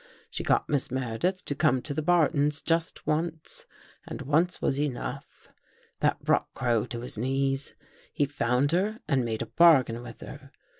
She got Miss Meredith to come to the Bartons just once and once was enough. That brought Crow to his knees. He found her and made a bargain with her.